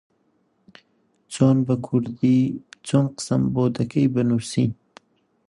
یاخوا بەخێر بێی.